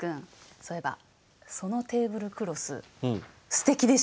そういえばそのテーブルクロスすてきでしょ？